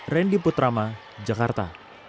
randy putrama jakarta